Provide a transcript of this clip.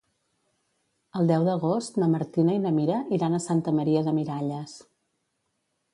El deu d'agost na Martina i na Mira iran a Santa Maria de Miralles.